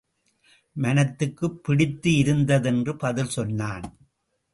மனத்துக்குப் பிடித்து இருந்தது என்று பதில் சொன்னான்.